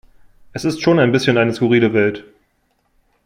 Es ist schon ein bisschen eine skurrile Welt!